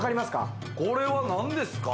これは、なんですか？